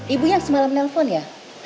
ibu yang semalam nelfon ya